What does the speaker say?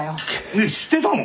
えっ知ってたの？